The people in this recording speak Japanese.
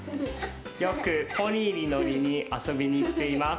よくポニーにのりにあそびにいっています。